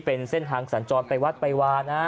เป็นเส้นทางสัญจรไปวัดไปวานะ